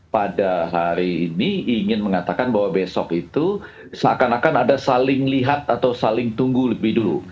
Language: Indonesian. pada hari ini ingin mengatakan bahwa besok itu seakan akan ada saling lihat atau saling tunggu lebih dulu